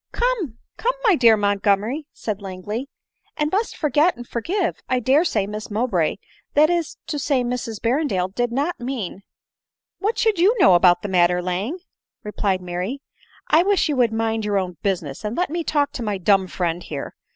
" Come, come, my dear Montgomery," said Lang ley, " you must forget and forgive ; I dare say Miss Mowbray, that is to say Mrs Berrendale, did not mean—" MM ■>' ""■^JPk^F m 'T m ■■'" ADELINE MOWBRAY. 243 u What should you know ahout the matter, Lang. ?" replied Mary ;" I wish you would mind your own busi ness, and let me talk to my dumb friend here.